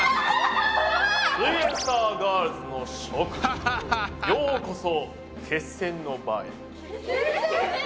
すイエんサーガールズの諸君ようこそ決戦の場へ。